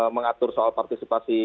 mengatur soal partisipasi